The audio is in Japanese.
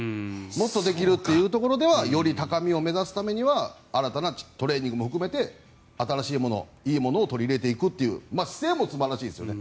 もっとできるというところではより高みを目指すためには新たなトレーニングも含めて新しいもの、いいものを取り入れていくという姿勢も素晴らしいですよね。